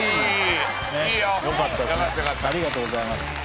ありがとうございます。